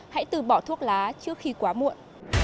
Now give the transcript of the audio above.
hãy từ bỏ thuốc lá trước khi quá muộn